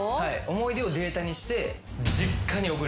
思い出をデータにして。